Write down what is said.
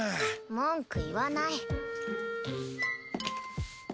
文句言わない。